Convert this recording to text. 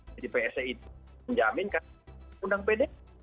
jadi psa itu menjaminkan undang pd